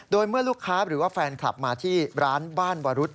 โดยเมื่อลูกค้าหรือว่าแฟนคลับมาที่ร้านบ้านวรุษ